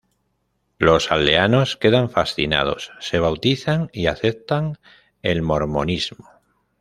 Los aldeanos quedan fascinados, se bautizan y aceptan el mormonismo.